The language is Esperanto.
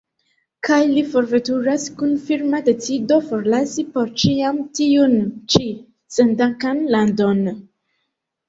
Kaj li forveturas, kun firma decido forlasi por ĉiam tiun ĉi sendankan landon.